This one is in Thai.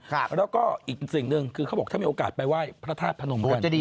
แล้วก็อีกสิ่งหนึ่งคือเขาบอกถ้ามีโอกาสไปไหว้พระธาตุพนมกัน